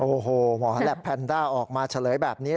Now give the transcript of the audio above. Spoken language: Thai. โอ้โหหมอแหลปแพนด้าออกมาเฉลยแบบนี้